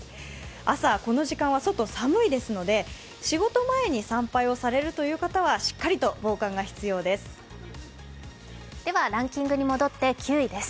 朝この時間は外、寒いですので仕事前に参拝をされるという方はしっかりと防寒が必要です。